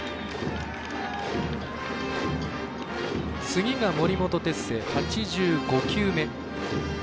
次が森本哲星、８５球目。